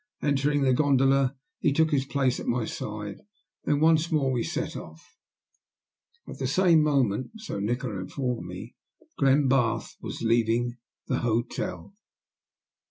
Entering the gondola he took his place at my side. Then once more we set off. At the same moment, so Nikola informed me, Glenbarth was leaving the hotel.